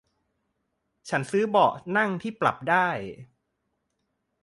ฉันซื้อเบาะนั่งที่ปรับได้